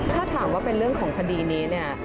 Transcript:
ถ้าถามว่าเป็นเรื่องของคดีนี้เนี่ย